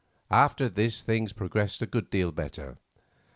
After this things progressed a good deal better.